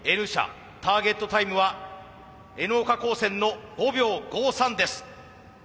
ターゲットタイムはＮ岡高専の５秒５３です。